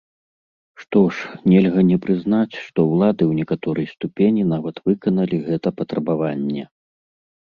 Што ж, нельга не прызнаць, што ўлады ў некаторай ступені нават выканалі гэта патрабаванне.